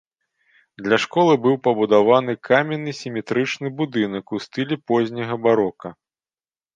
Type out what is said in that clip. Для школы быў пабудаваны каменны сіметрычны будынак у стылі позняга барока.